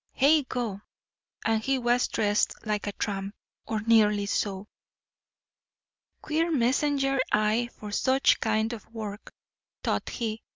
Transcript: Heigho! and he was dressed like a tramp, or nearly so! "Queer messenger, I, for such kind of work," thought he.